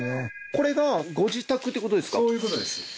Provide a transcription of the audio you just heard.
これがご自宅って事ですか？